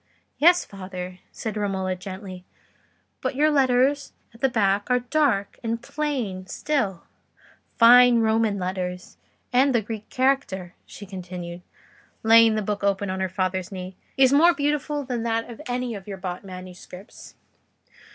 "Yes, father," said Romola, gently; "but your letters at the back are dark and plain still—fine Roman letters; and the Greek character," she continued, laying the book open on her father's knee, "is more beautiful than that of any of your bought manuscripts."